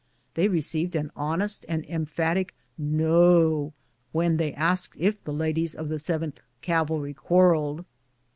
They received an honest and emphatic " no " when they asked if the ladies of the Yth Cavalry quarrelled.